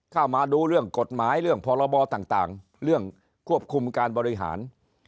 เข้ามาดูเรื่องกฎหมายเรื่องพรบต่างเรื่องควบคุมการบริหาร